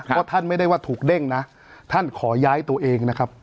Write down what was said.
เพราะท่านไม่ได้ว่าถูกเด้งนะท่านขอย้ายตัวเองนะครับ